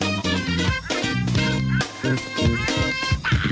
ข้าวใส่ไทยสอบกว่าใครใหม่กว่าเดิมค่อยเมื่อล่า